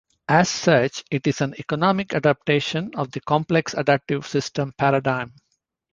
As such, it is an economic adaptation of the complex adaptive systems paradigm.